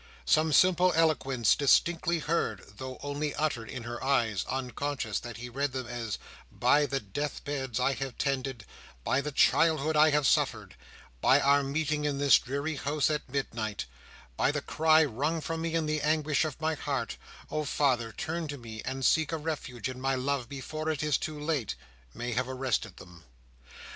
Some simple eloquence distinctly heard, though only uttered in her eyes, unconscious that he read them as "By the death beds I have tended, by the childhood I have suffered, by our meeting in this dreary house at midnight, by the cry wrung from me in the anguish of my heart, oh, father, turn to me and seek a refuge in my love before it is too late!" may have arrested them.